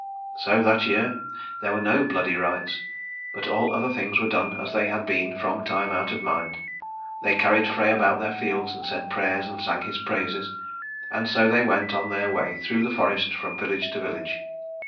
So that year there were no bloody rites, but all other things were done as they had been from time out of mind. They carried Frey about their fields, and said prayers and sang his praises; and so they went on their way through the forest from village to village.